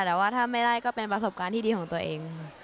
แต่ว่าถ้าไม่ได้ก็เป็นประสบการณ์ที่ดีของตัวเอง